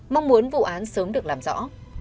mong muốn vụ án sớm được làm rõ